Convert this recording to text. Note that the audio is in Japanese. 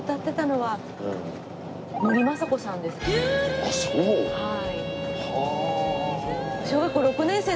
はい。